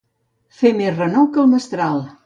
Fer més renou que el mestral.